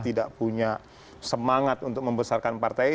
tidak punya semangat untuk membesarkan partai